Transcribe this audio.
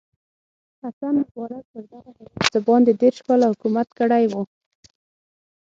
حسن مبارک پر دغه هېواد څه باندې دېرش کاله حکومت کړی و.